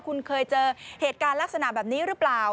คุณเคยเจอเหตุการณ์ลักษณะแบบนี้หรือเปล่า